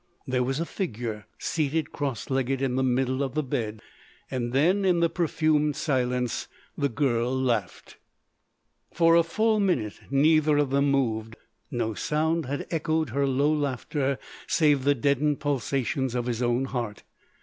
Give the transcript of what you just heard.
There was a figure seated cross legged in the middle of the bed! Then, in the perfumed silence, the girl laughed. For a full minute neither of them moved. No sound had echoed her low laughter save the deadened pulsations of his own heart.